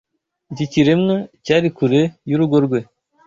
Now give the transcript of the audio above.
Iki kiremwa cyari kure y’urugo rwe